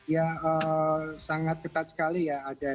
ya sangat ketat sekali ya